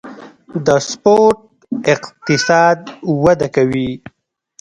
د سپورت اقتصاد وده کوي